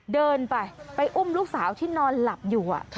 เดินไปไปอุ้มลูกสาวที่นอนหลับอยู่